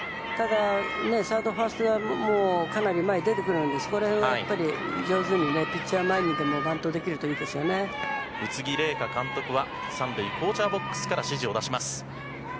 サード、ファーストはかなり前に出てくるのでそこら辺は上手にピッチャー前にでも宇津木麗華監督は３塁コーチャーボックスから指示を出します。